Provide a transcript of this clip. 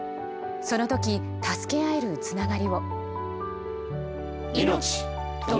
そのとき、助け合えるつながりを。